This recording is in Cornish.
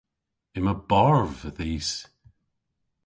Yma barv dhis.